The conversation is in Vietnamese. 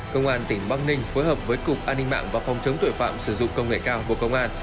công an tỉnh bắc ninh phối hợp với cục an ninh mạng và phòng chống tội phạm sử dụng công nghệ cao bộ công an